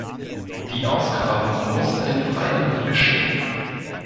Die Ausgrabung musste in freier Luft geschehen.